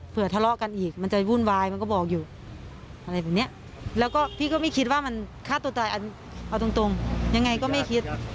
ทะเลาะกันอีกมันจะวุ่นวายมันก็บอกอยู่อะไรแบบนี้แล้วก็พี่ก็ไม่คิดว่ามันฆ่าตัวตายอันเอาตรงยังไงก็ไม่คิด